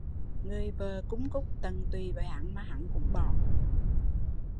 Người vợ cúc cung tận tụy với hắn mà hắn cũng bỏ